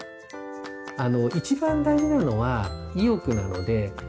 あの一番大事なのは意欲なので。